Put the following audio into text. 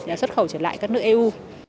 và xuất khẩu trở lại các nước eu